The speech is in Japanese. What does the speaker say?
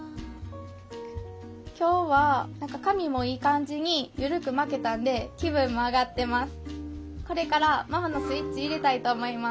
今日は髪もいい感じに緩く巻けたんで気分も上がってます